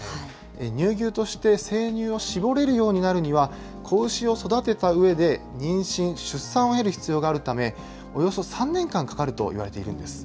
乳牛として生乳を搾れるようになるには、子牛を育てたうえで、妊娠、出産を経る必要があるため、およそ３年間かかるといわれているんです。